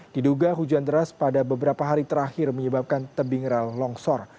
diduga hujan deras pada beberapa hari terakhir menyebabkan tebing rel longsor